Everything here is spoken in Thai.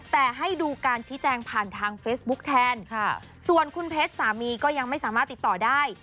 แต่ให้ดูการชี้แจงผ่านทางเฟซบุ๊กแทนค่ะส่วนคุณเพชรสามีก็ยังไม่สามารถติดต่อได้